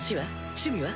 趣味は？